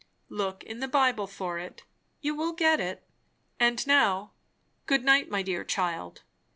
"Look in the Bible for it. You will get it. And now, good night, my dear child!